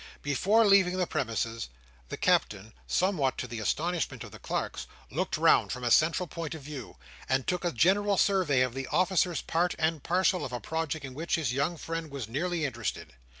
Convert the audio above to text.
Before leaving the premises, the Captain, somewhat to the astonishment of the clerks, looked round from a central point of view, and took a general survey of the officers part and parcel of a project in which his young friend was nearly interested.